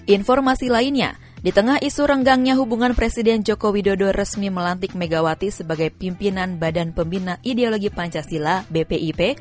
informasi lainnya di tengah isu renggangnya hubungan presiden joko widodo resmi melantik megawati sebagai pimpinan badan pembina ideologi pancasila bpip